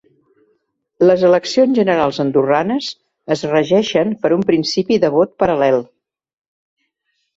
Les eleccions generals andorranes es regeixen per un principi de vot paral·lel.